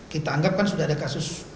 kita anggap kan sudah ada kasus